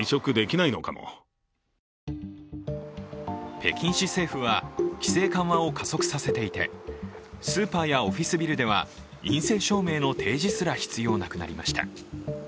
北京市政府は規制緩和を加速させていて、スーパーやオフィスビルでは、陰性証明の提示すら必要なくなりました。